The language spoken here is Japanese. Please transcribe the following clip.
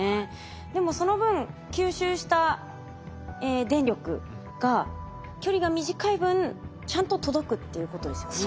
でもその分吸収した電力が距離が短い分ちゃんと届くっていうことですよね。